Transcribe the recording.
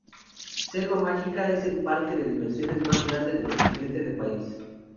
Selva Mágica es el parque de diversiones más grande del occidente del país.